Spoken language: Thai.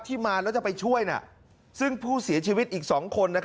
ที่มาเราจะไปช่วยซึ่งผู้เสียชีวิตอีกสองคน